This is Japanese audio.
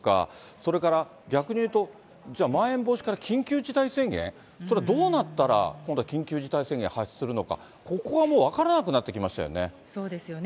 それから逆に言うと、じゃあ、まん延防止から緊急事態宣言、それはどうなったら今度は緊急事態宣言発出するのか、ここはもうそうですよね。